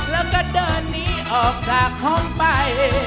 แล้วก็เดินหนีออกจากห้องไป